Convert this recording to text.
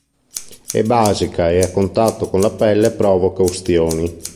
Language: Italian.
È basica e a contatto con la pelle provoca ustioni.